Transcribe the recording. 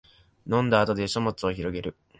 飲んだ後で書物をひろげる